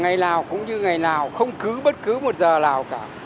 ngày nào cũng như ngày nào không cứ bất cứ một giờ nào cả